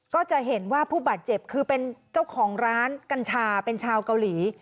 ก็จะเห็นว่าผู้บาดเจ็บคือเป็นเจ้าของร้านกัญชาเป็นชาวเกาหลี